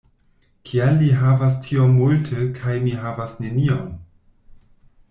Kial li havas tiom multe kaj mi havas nenion?